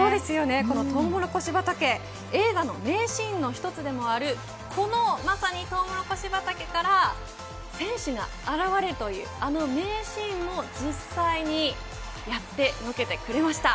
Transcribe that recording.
このトウモロコシ畑映画の名シーンの一つでもあるこのトウモロコシ畑から選手が現れるというあの名シーンを実際にやってのけてくれました。